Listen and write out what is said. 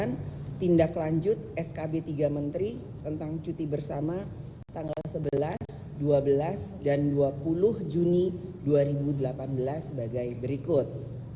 ini merupakan tindak lanjut skb tiga menteri tentang cuti bersama tanggal sebelas dua belas dan dua puluh juni dua ribu delapan belas sebagai berikut